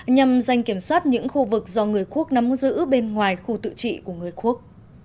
nhằm danh kiểm soát những khu vực do người quốc nắm giữ bên ngoài khu tự trị của người quốc